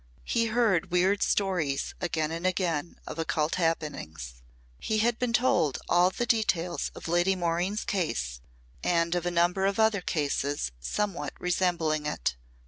He heard weird stories again and again of occult happenings. He had been told all the details of Lady Maureen's case and of a number of other cases somewhat resembling it.